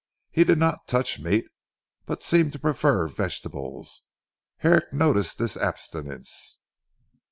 He did not touch meat but seemed to prefer vegetables. Herrick noticed this abstinence.